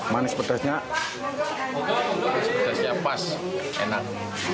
manis pedasnya pas enak